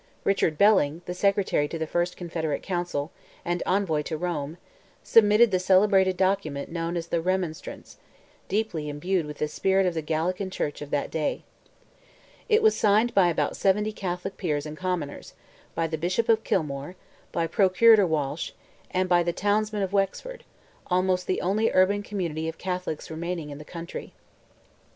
Richard Belling, the secretary to the first Confederate Council, and Envoy to Rome, submitted the celebrated document known as "The Remonstrance," deeply imbued with the spirit of the Gallican church of that day. It was signed by about seventy Catholic peers and commoners, by the Bishop of Kilmore, by Procurator Walsh, and by the townsmen of Wexford—almost the only urban community of Catholics remaining in the country.